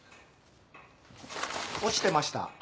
落ちてました。